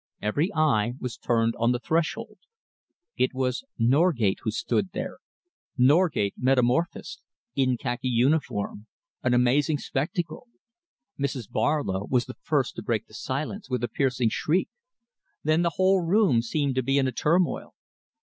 Every eye was turned on the threshold. It was Norgate who stood there, Norgate metamorphosed, in khaki uniform an amazing spectacle! Mrs. Barlow was the first to break the silence with a piercing shriek. Then the whole room seemed to be in a turmoil.